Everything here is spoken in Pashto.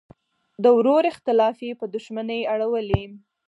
د ورور اختلاف یې په دوښمنۍ اړولی.